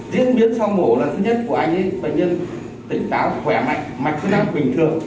diễn biến sau mổ là thứ nhất của anh ấy bệnh nhân tỉnh táo khỏe mạnh mạch tính năng bình thường